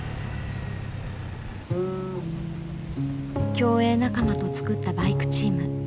競泳仲間と作ったバイクチーム。